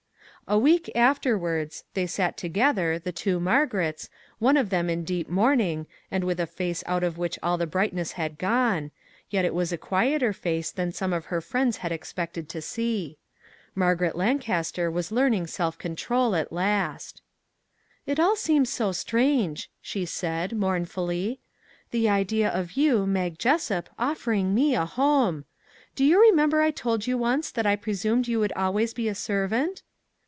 A week afterwards they sat together, the two Margarets, one of them in deep mourning, and with a face out of which all the brightness had gone; yet it was a quieter face than some of her friends had expected to see. Margaret Lancaster was learning self control at last. 405 MAG AND MARGARET " It all seems so strange," she said, mourn fully. " The idea of you, Mag Jessup, offer ing me a home ! Do you remember I told you once that I presumed you would always be a servant